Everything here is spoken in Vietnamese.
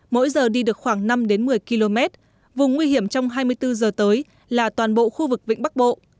mỗi giờ đi được khoảng năm một mươi km vùng nguy hiểm trong hai mươi bốn giờ tới là toàn bộ khu vực vịnh bắc bộ